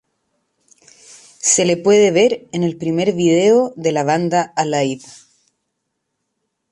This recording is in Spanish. Se le puede ver en el primer video de la banda, "Alive".